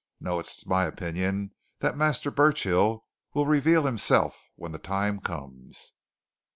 No, it's my opinion that Master Burchill will reveal himself, when the time comes."